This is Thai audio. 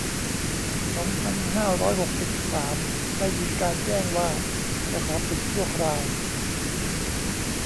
สองพันห้าร้อยหกสิบสาม ได้มีการแจ้งว่าจะขอปิดชั่วคราว